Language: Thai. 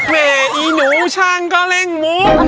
เห้ยอีหนูช่างกะเล่งมุม